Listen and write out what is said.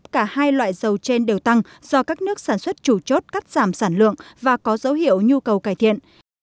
cả hai loại dầu trên đều tăng do các nước sản xuất chủ chốt cắt giảm sản lượng và có dấu hiệu nhu cầu cải thiện